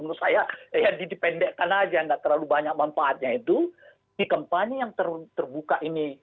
menurut saya ya dipendekkan aja nggak terlalu banyak manfaatnya itu di kampanye yang terbuka ini